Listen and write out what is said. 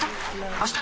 あした？